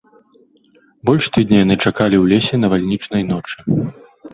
Больш тыдня яны чакалі ў лесе навальнічнай ночы.